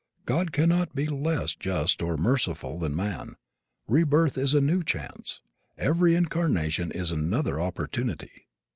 God cannot be less just or merciful than man. Rebirth is a new chance. Every incarnation is another opportunity.